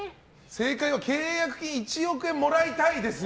正解は契約金１億円もらいたいですよ